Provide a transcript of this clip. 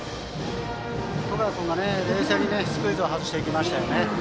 十川君が冷静にスクイズを外しましたね。